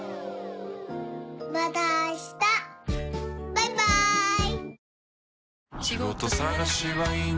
バイバーイ。